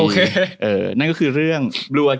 โอเคเออนั่นก็คือหรอ